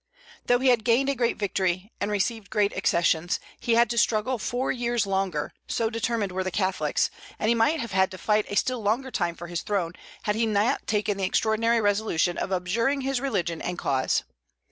Though he had gained a great victory, and received great accessions, he had to struggle four years longer, so determined were the Catholics; and he might have had to fight a still longer time for his throne had he not taken the extraordinary resolution of abjuring his religion and cause.